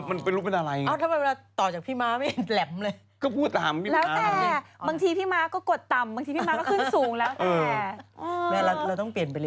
หน้าแม่สดและมีเสียงสั่นหรอ